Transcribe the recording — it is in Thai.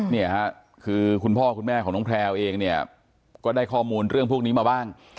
นี่ค่ะคือคุณพ่อคุณแม่ของน้องแพลวเองเนี่ยก็ได้ข้อมูลเรื่องพวกนี้มาบ้าง